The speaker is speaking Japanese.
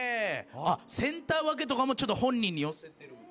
センター分けとかもちょっと本人に寄せてる？